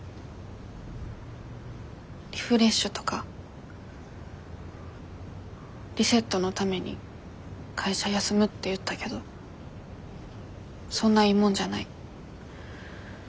リフレッシュとかリセットのために会社休むって言ったけどそんないいもんじゃない。